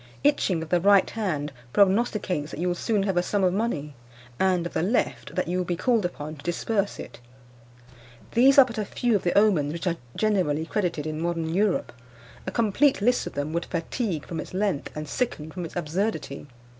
Itching of the right hand prognosticates that you will soon have a sum of money; and, of the left, that you will be called upon to disburse it. These are but a few of the omens which are generally credited in modern Europe. A complete list of them would fatigue from its length, and sicken from its absurdity.